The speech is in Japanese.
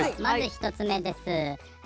まず１つ目です。